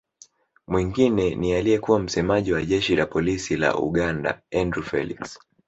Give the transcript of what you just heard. Mwingine ni aliyekuwa msemaji wa Jeshi la Polisi la Uganda Andrew Felix